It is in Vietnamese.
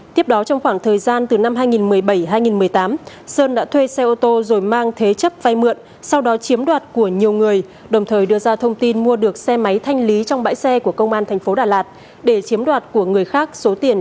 tiếp đó trong khoảng thời gian từ năm hai nghìn một mươi bảy hai nghìn một mươi tám sơn đã thuê xe ô tô rồi mang thế chấp vay mượn sau đó chiếm đoạt của nhiều người đồng thời đưa ra thông tin mua được xe máy thanh lý trong bãi xe của công an tp đà lạt để chiếm đoạt của người khác số tiền